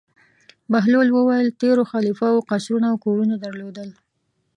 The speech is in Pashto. بهلول وویل: تېرو خلیفه وو قصرونه او کورونه درلودل.